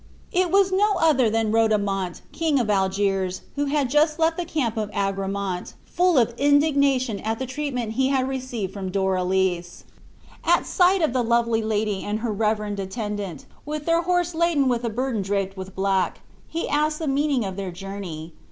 It was no other than Rodomont, king of Algiers, who had just left the camp of Agramant, full of indignation at the treatment he had received from Doralice. At sight of the lovely lady and her reverend attendant, with their horse laden with a burden draped with black, he asked the meaning of their journey.